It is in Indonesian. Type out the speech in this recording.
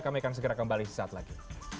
kami akan segera kembali saat lagi